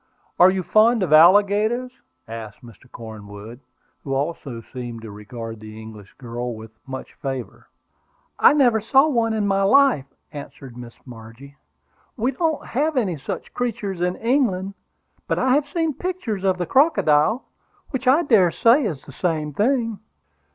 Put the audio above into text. Are you fond of alligators?" asked Mr. Cornwood, who also seemed to regard the English girl with much favor. "I never saw one in my life," answered Miss Margie. "We don't have any such creatures in England. But I have seen pictures of the crocodile, which I dare say is the same thing."